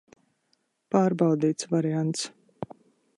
Pārbaudīts variants.